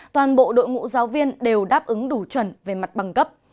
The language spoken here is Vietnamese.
toàn bộ đội ngũ giáo viên đều đáp ứng đủ chuẩn về mặt bằng cấp